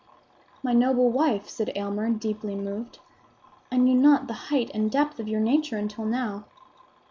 "My noble wife," said Aylmer, deeply moved, "I knew not the height and depth of your nature until now.